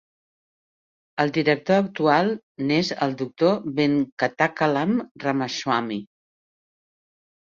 El director actual n'és el Dr. Venkatachalam Ramaswamy.